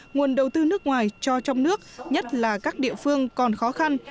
nguồn đầu tư nước ngoài cho trong nước nhất là các địa phương còn khó khăn